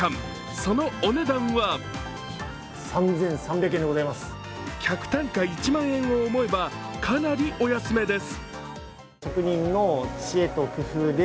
そのお値段は客単価１万円を思えばかなり格安です。